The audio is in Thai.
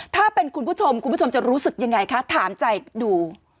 ถ้าเป็นคุณผู้ชมคุณผู้ชมจะรู้สึกยังไงคะถามใจดู